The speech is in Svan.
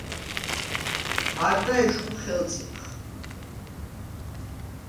არდა ეშხუ ხელწიფხ.